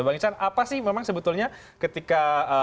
bang ican apa sih memang sebetulnya ketika